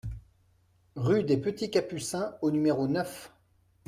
Rue des Petits Capucins au numéro neuf